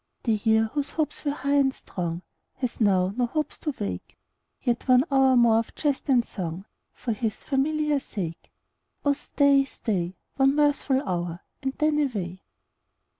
The year, whose hopes were high and strong, Has now no hopes to wake ; Yet one hour more of jest and song For his familiar sake. Oh stay, oh stay, One mirthful hour, and then away.